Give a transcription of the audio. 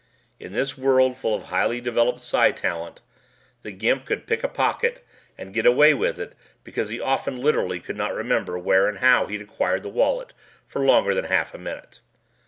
In this world full of highly developed psi talent, the Gimp could pick a pocket and get away with it because he often literally could not remember where and how he'd acquired the wallet for longer than a half minute.